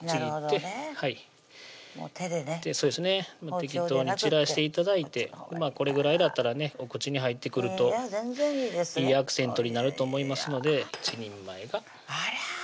適当に散らして頂いてこれぐらいだったらねお口に入ってくると全然いいですよいいアクセントになると思いますので１人前が完成になります